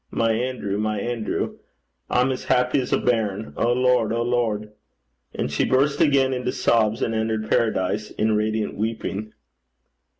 My Anerew, my Anerew! I'm as happy 's a bairn. O Lord! O Lord!' And she burst again into sobs, and entered paradise in radiant weeping.